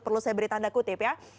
perlu saya beri tanda kutip ya